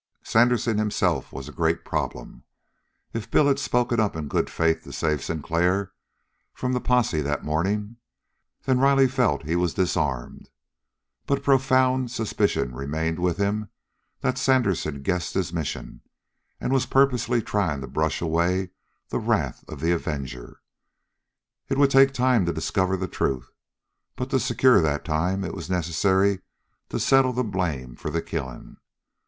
Sandersen himself was a great problem. If Bill had spoken up in good faith to save Sinclair from the posse that morning, the Riley felt that he was disarmed. But a profound suspicion remained with him that Sandersen guessed his mission, and was purposely trying to brush away the wrath of the avenger. It would take time to discover the truth, but to secure that time it was necessary to settle the blame for the killing.